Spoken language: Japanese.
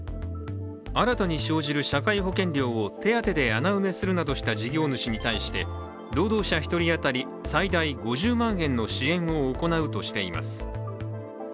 新たに生じる社会保険料を手当で穴埋めするなどとした事業主に対して、労働者１人当たり最大５０万円の支援を行うとしています。